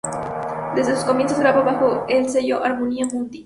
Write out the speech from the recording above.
Desde sus comienzos, graba bajo el sello Harmonia Mundi.